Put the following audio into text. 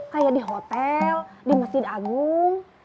kayak di hotel di masjid agung